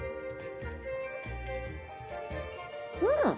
うん！